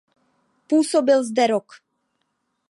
Působil zde rok.